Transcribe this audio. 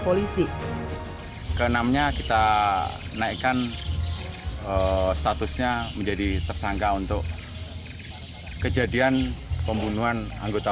polisi keenamnya kita naikkan statusnya menjadi tersangka untuk kejadian pembunuhan anggota